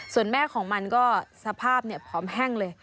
ส่วนแม่ของมันก็สภาพเนี่ยพร้อมแห้งเลย